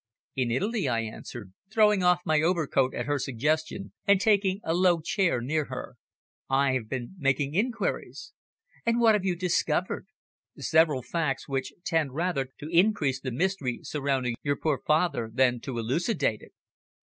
"In Italy," I answered, throwing off my overcoat at her suggestion, and taking a low chair near her. "I have been making inquiries." "And what have you discovered?" "Several facts which tend rather to increase the mystery surrounding your poor father than to elucidate it."